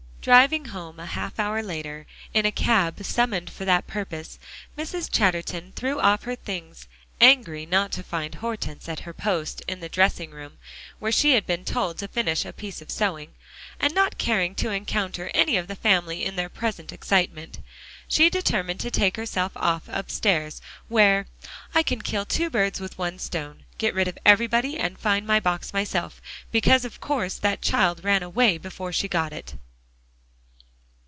Driving home a half hour later, in a cab summoned for that purpose, Mrs. Chatterton threw off her things, angry not to find Hortense at her post in the dressing room, where she had been told to finish a piece of sewing, and not caring to encounter any of the family in their present excitement, she determined to take herself off upstairs, where "I can kill two birds with one stone; get rid of everybody, and find my box myself, because of course that child ran away before she got it."